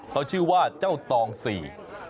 เขาชื่อว่าเจ้าตองสี่